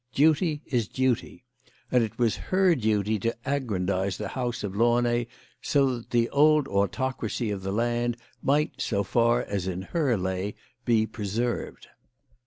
Duty is duty. And it was her duty to aggrandise the house of Launay, so that the old autocracy of the land might, so far as in her lay, be preserved.